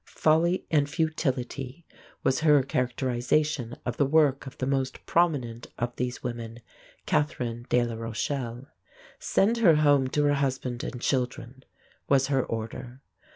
"Folly and futility," was her characterization of the work of the most prominent of these women, Catherine de la Rochelle. "Send her home to her husband and children," was her order.